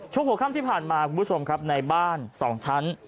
หัวค่ำที่ผ่านมาคุณผู้ชมครับในบ้าน๒ชั้น